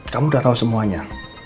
kamu udah tau semuanya